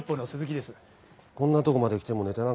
こんなとこまで来てもねたなんかないよ。